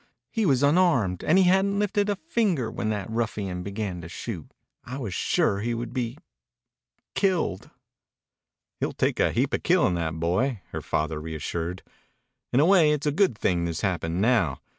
He was unarmed, and he hadn't lifted a finger when that ruffian began to shoot. I was sure he would be ... killed." "He'll take a heap o' killin', that boy," her father reassured. "In a way it's a good thing this happened now.